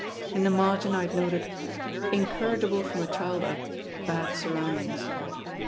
In the margin I had noted: "Incorrigible from a child up; bad surroundings."